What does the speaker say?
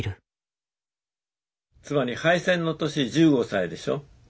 つまり敗戦の年１５歳でしょ。